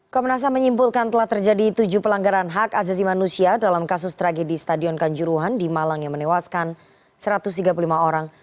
komnas ham menyimpulkan telah terjadi tujuh pelanggaran hak asasi manusia dalam kasus tragedi stadion kanjuruhan di malang yang menewaskan satu ratus tiga puluh lima orang